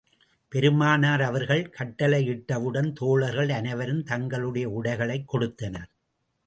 பெருமானார் அவர்கள் கட்டளையிட்டவுடன் தோழர்கள், அனைவரும் தங்களுடைய உடைகளைக் கொடுத்தனர்.